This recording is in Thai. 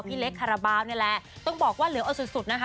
พี่เล็กคาราบาลนี่แหละต้องบอกว่าเหลือเอาสุดสุดนะคะ